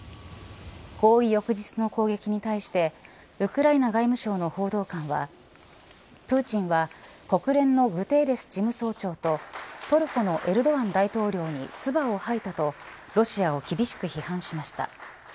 合意翌日の攻撃に対してウクライナ外務省の報道官はプーチンは国連のグテーレス事務総長とトルコのエルドアン大統領に唾を吐いたとロシアを厳しく批判しました。